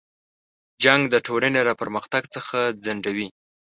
جنګ د ټولنې له پرمختګ څخه ځنډوي.